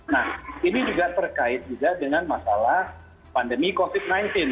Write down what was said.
nah ini juga terkait juga dengan masalah pandemi covid sembilan belas